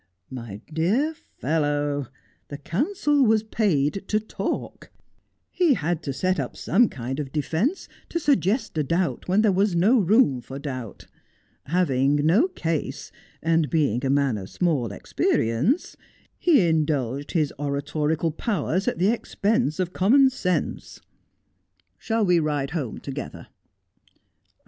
' My dear fellow, the counsel was paid to talk. He had to set Guilty 63 up some kind of defence, to suggest a doubt where there was no room for doubt. Having no case, and being a man of small ex perience, he indulged his oratorical powers at the expense of common sense. Shall we ride home together